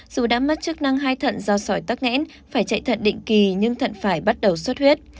dù đã mất chức năng hai thận do sỏi tắc nghẽn phải chạy thận định kỳ nhưng thận phải bắt đầu sốt huyết